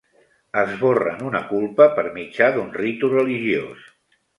Esborren una culpa per mitjà d'un ritu religiós.